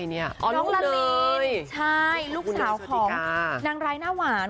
น้องละลินลูกสาวของนางไรนะวาง